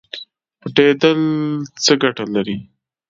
پټیدل څه ګټه لري؟